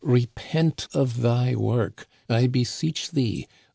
Re pent of thy work, I beseech thee